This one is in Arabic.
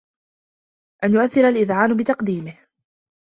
أَنْ يُؤْثِرَ الْإِذْعَانَ بِتَقْدِيمِهِ